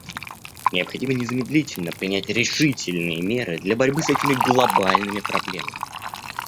Необходимо незамедлительно принять решительные меры для борьбы с этими глобальными проблемами.